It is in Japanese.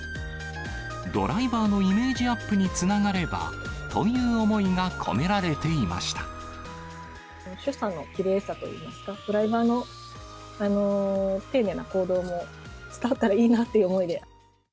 ドライバーのイメージアップにつながればという思いが込められて所作のきれいさといいますか、ドライバーの丁寧な行動も伝わったらいいなっていう思いで。